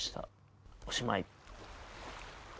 おしまい」。